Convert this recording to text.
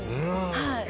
はい。